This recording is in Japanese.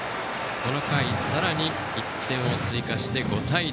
この回さらに１点を追加して５対０。